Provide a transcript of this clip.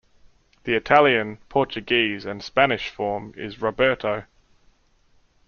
The Italian, Portuguese, and Spanish form is "Roberto".